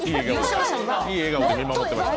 いい笑顔で見守っていました。